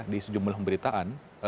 di sejumlah pemberitaan